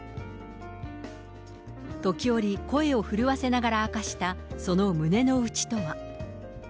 時折、声を震わせながら明かしたその胸の内とは。